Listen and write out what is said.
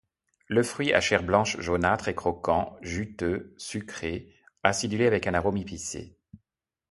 Le fruit à chair blanche-jaunâtre est croquant, juteux, sucré, acidulé avec un arôme épicé.